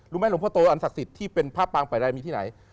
รู้ไหมหลงพ่อโตอันศักดิ์สิทธิ์ที่เป็นพระปางป่าเลไลมีที่ไหน